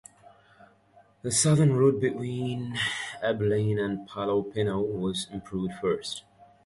The southern route between Abilene and Palo Pinto was improved first.